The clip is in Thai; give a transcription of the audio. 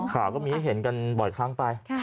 ค่ะก็มีเห็นกันบ่อยข้างไป